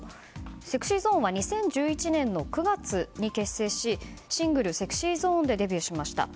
ＳｅｘｙＺｏｎｅは２０１１年の９月に結成しシングル「ＳｅｘｙＺｏｎｅ」でデビューしました。